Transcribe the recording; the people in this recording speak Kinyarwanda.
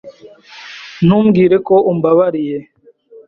Ntumbwire ko umbabariye.